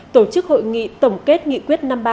tổ chức hội nghị tổng kết nghị quyết năm